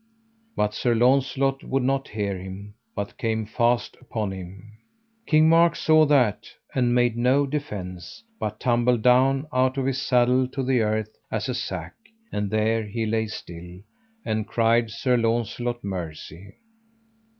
But Sir Launcelot would not hear him, but came fast upon him. King Mark saw that, and made no defence, but tumbled adown out of his saddle to the earth as a sack, and there he lay still, and cried Sir Launcelot mercy.